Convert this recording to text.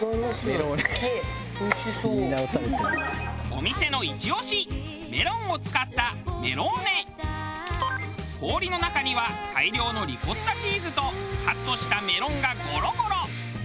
お店のイチ押しメロンを使った氷の中には大量のリコッタチーズとカットしたメロンがゴロゴロ。